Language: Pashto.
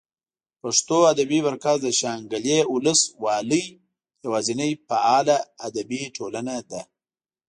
پښتو ادبي مرکز د شانګلې اولس والۍ یواځینۍ فعاله ادبي ټولنه ده